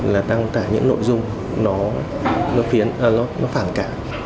là đăng tả những nội dung nó phản cảm